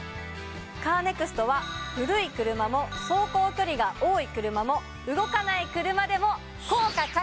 カーネクストは古い車も走行距離が多い車も動かない車でも。